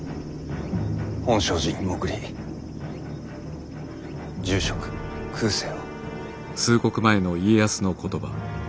本證寺に潜り住職空誓を。